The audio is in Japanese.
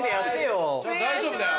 大丈夫だよ。